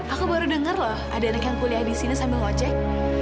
aku baru dengar loh ada yang kuliah di sini sambil ngocek